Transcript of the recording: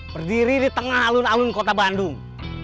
berdiri di tengah alun alun kota bandung